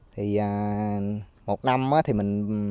thì một năm thì mình